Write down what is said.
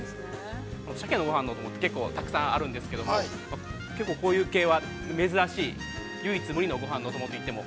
シャケのごはんのお供って、結構たくさんあるんでるけど、結構、こういう系は珍しい、唯一無二のごはんのお供といっても。